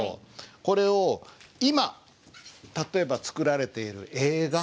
これを今例えば作られている映画。